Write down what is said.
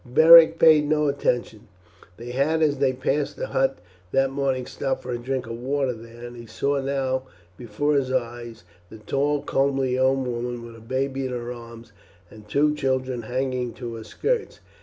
Beric paid no attention. They had as they passed the hut that morning stopped for a drink of water there, and he saw now before his eyes the tall comely young woman with a baby in her arms and two children hanging to her skirts.